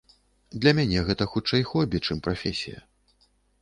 Для мяне гэта хутчэй хобі, чым прафесія.